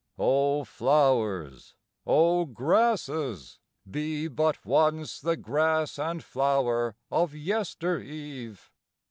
O flowers! O grasses! be but once The grass and flower of yester eve!